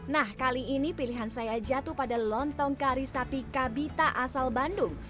nah kali ini pilihan saya jatuh pada lontong karis tapi kabita asal bandung